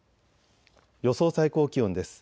予想最高気温です。